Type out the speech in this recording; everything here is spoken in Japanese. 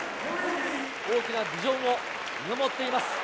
大きなビジョンも見守っています。